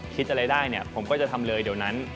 คิดอะไรได้เนี่ยผมก็จะทำเลยเดี๋ยวนั้น